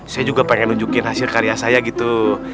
saya juga pengen nunjukin hasil karya saya gitu